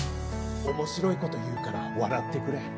面白いこと言うから笑ってくれ。